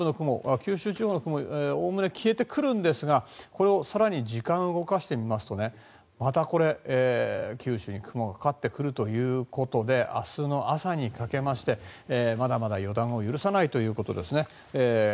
九州地方の雲はおおむね消えてくるんですがこれを更に時間を動かしてみますとまたこれ、九州に雲がかかってくるということで明日の朝にかけましてまだまだ予断を許さないということですね。